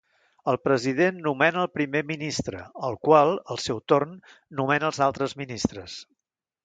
El president nomena el primer ministre, el qual, al seu torn, nomena els altres ministres.